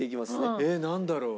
えっなんだろう？